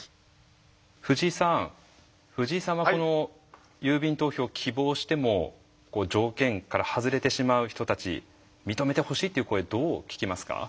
藤井さん藤井さんはこの郵便投票を希望しても条件から外れてしまう人たち認めてほしいという声どう聞きますか？